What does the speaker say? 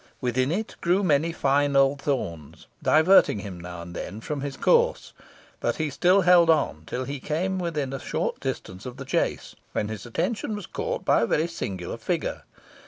Within it grew many fine old thorns, diverting him now and then from his course, but he still held on until he came within a short distance of the chase, when his attention was caught by a very singular figure.